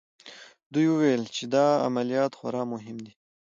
دوی ویل چې دا عملیات خورا مهم دی